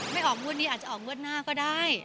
ไม่ออกเมื่อนนี้อาจจะออกเมื่อนหน้าก็ได้